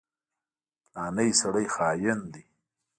فلانی سړی خاين دی.